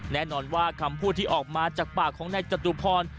แน่นอนว่าคำพูดที่ออกมาจากปากของนายจตุพร